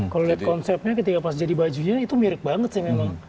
kalau lihat konsepnya ketika pas jadi bajunya itu mirip banget sih memang